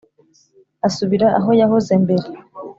Asubira aho yahoze mbere